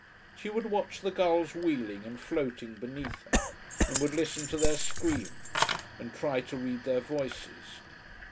She would watch the gulls wheeling and floating beneath her, and would listen to their screams and try to read their voices.